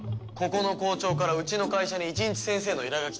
ここの校長からうちの会社に一日先生の依頼が来た。